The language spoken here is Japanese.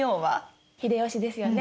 秀吉ですよね。